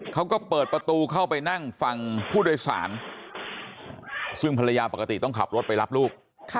เขาก็เปิดประตูเข้าไปนั่งฟังผู้โดยสารซึ่งภรรยาปกติต้องขับรถไปรับลูก